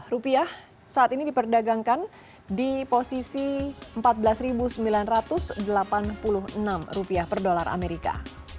rupiah saat ini diperdagangkan di posisi empat belas sembilan ratus delapan puluh enam rupiah per dolar amerika